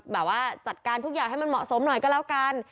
แบบว่าจัดการทุกอย่างให้มันเหมาะสมหน่อยก็แล้วกัน